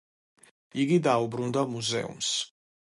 იგი დაუბრუნდა მუზეუმს.